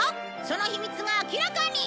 その秘密が明らかに！